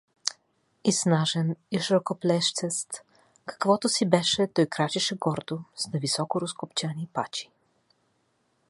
И снажен и широкоплещест, какъвто си беше, той крачеше гордо, с нависоко разкопчани пачи.